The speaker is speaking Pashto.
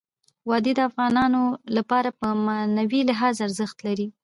وادي د افغانانو لپاره په معنوي لحاظ ارزښت لري.